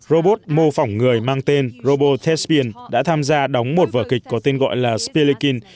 robot mô phỏng người mang tên robo thespian đã tham gia đóng một vở kịch có tên gọi là spillikin